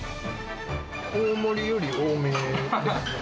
大盛りより多めですね。